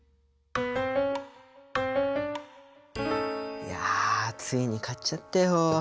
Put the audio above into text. いやついに買っちゃったよ。